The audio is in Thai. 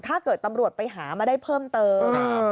ถ้าเกิดตำรวจไปหามาได้เพิ่มเติม